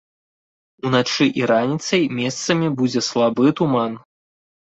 Уначы і раніцай месцамі будзе слабы туман.